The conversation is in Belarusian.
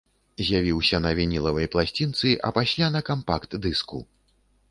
З'явіўся на вінілавай пласцінцы, а пасля на кампакт-дыску.